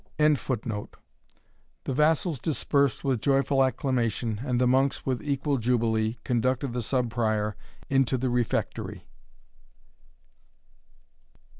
] The vassals dispersed with joyful acclamation, and the monks, with equal jubilee, conducted the Sub Prior into the refectory.